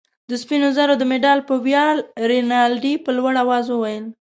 د سپینو زرو د مډال په ویاړ. رینالډي په لوړ آواز وویل.